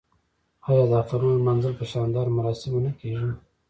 آیا د اخترونو لمانځل په شاندارو مراسمو نه کیږي؟